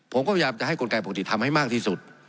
ผมก็พยายามจะให้กลไกปกติทำให้มากที่สุด